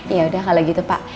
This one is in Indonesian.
yaudah kalau gitu pak